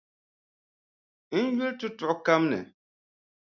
N yuli tutuɣu kam ni.